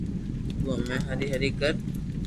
تو ھمي ھري ھري ڪر